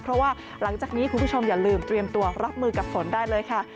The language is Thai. เพราะว่าหลังจากนี้คุณผู้ชมอย่าลืมเตรียมตัวรับมือกับฝนได้เลยค่ะ